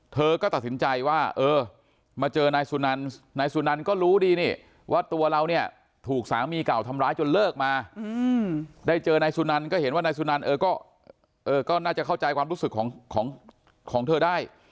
เธอก็ตัดสินใจว่าเออมาเจอนายสุนันนายสุนันก็รู้ดีนี่ว่าตัวเราเนี่ยถูกสามีเก่าทำร้ายจนเลิกมาได้เจอนายสุนันก็เห็นว่านายสุนันก็น่าจะเข้าใจความรู้สึกของเธอได้